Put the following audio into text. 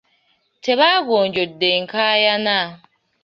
Tebaagonjodde nkaayana.